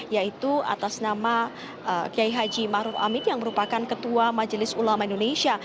yaitu atas nama kiai haji maruf amin yang merupakan ketua majelis ulama indonesia